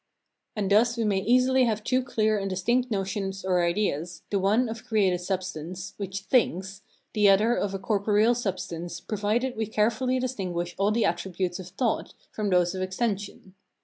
And thus we may easily have two clear and distinct notions or ideas, the one of created substance, which thinks, the other of corporeal substance, provided we carefully distinguish all the attributes of thought from those of extension.